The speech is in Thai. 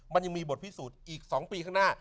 มันยังมีบทพิสูจน์อีก๒ปีข้างหน้า